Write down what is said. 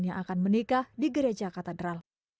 yang akan menikah di gereja katedral